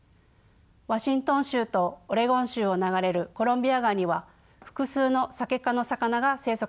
ワシントン州とオレゴン州を流れるコロンビア川には複数のサケ科の魚が生息しています。